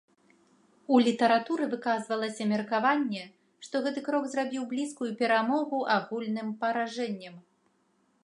У літаратуры выказвалася меркаванне, што гэты крок зрабіў блізкую перамогу агульным паражэннем.